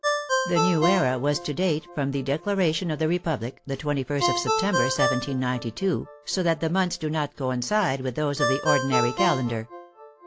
The new era was to date from the declaration of the Republic, the 21st of September, 1792, so that the months do not coincide with those of the ordinar}^ calen dar.